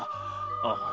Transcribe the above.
ああ。